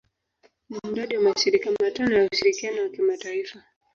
Ni mradi wa mashirika matano ya ushirikiano wa kimataifa.